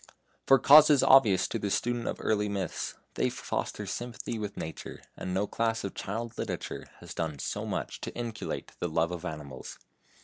For causes obvious to the student of early myths, they foster sympathy with nature, and no class of child literature has done so much to inculcate the love of animals.